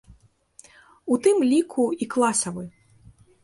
У тым ліку і класавы.